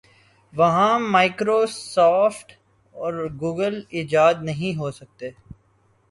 وہاں Microsoft اور Google ایجاد نہیں ہو سکتے۔